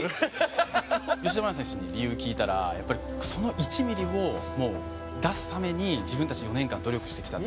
吉田麻也選手に理由聞いたらやっぱりその１ミリを出すために自分たちは４年間努力してきたって。